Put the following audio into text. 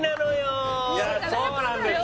高っいやそうなんですよ